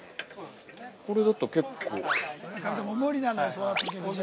これだと結構。